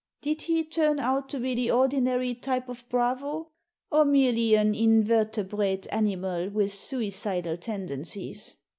Did he turn out to be the ordinary type of bravo, or merely an invertebrate animal with suicidal ten dencies